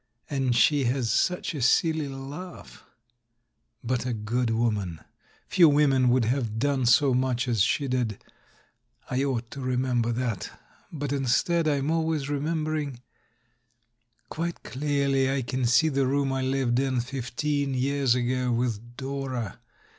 And she has such a silly laugh. But a good woman! Few women would have done so much as she did I ought to remember that. But, instead, I am always remembering Quite clearly I can see the room I lived in, fifteen years ago, with Dora!